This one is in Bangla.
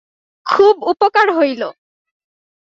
খুব উপকার হইল।